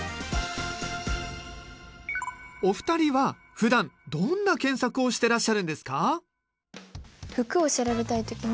お二人はふだんどんな検索をしてらっしゃるんですか？